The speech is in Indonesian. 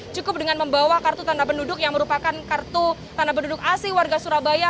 cukup dengan membawa kartu tanda penduduk yang merupakan kartu tanda penduduk asli warga surabaya